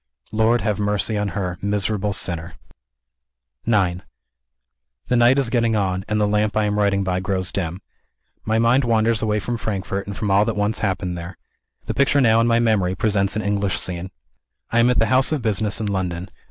Lord, have mercy on her miserable sinner! IX The night is getting on; and the lamp I am writing by grows dim. My mind wanders away from Frankfort, and from all that once happened there. The picture now in my memory presents an English scene. I am at the house of business in London.